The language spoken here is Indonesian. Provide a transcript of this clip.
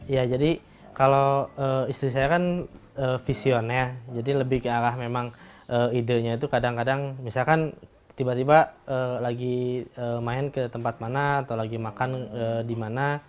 ya jadi kalau istri saya kan vision ya jadi lebih ke arah memang idenya itu kadang kadang misalkan tiba tiba lagi main ke tempat mana atau lagi makan di mana